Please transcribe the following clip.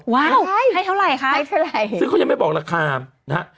ให้เท่าไหร่คะให้เท่าไหร่ซึ่งเขายังไม่บอกราคานะฮะ